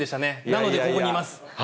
なのでここにいます。